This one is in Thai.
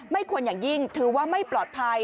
ไม่ควรอย่างยิ่งถือว่าไม่ปลอดภัย